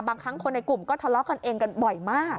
บางครั้งคนในกลุ่มก็ทะเลาะกันเองกันบ่อยมาก